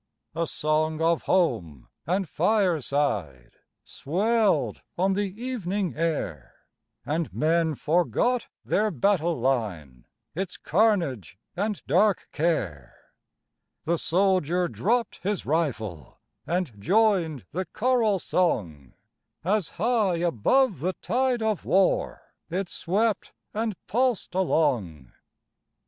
A song of home and fireside Swelled on the evening air, And men forgot their battle line, Its carnage and dark care ; The soldier dropp'd his rifle And joined the choral song, As high above the tide of war It swept and pulsed along.